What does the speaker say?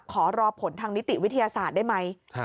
ขอรอผลทางนิติวิทยาศาสตร์ได้ไหม